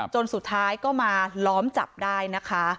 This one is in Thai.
จนสุดท้ายก็มาล้อมจับได้นะคะ